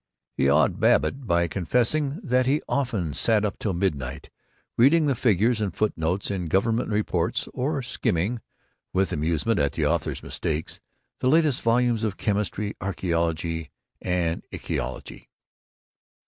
He awed Babbitt by confessing that he often sat up till midnight reading the figures and footnotes in Government reports, or skimming (with amusement at the author's mistakes) the latest volumes of chemistry, archaeology, and ichthyology.